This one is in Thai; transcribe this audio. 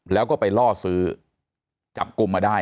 แล้วก็ไปล่อซื้อจับกลุ่มมาได้